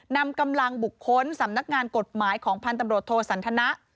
นำกำลังบุคคลสำนักงานกฎหมายของพันธ์ตำรวจโทสันทนะ